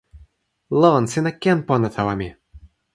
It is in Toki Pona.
lon, sina ken pona tawa mi!